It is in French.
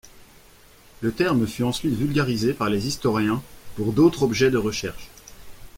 Le terme fut ensuite vulgarisé par les historiens pour d'autres objets de recherche.